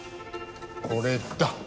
これだ！